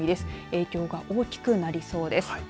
影響が大きくなりそうです。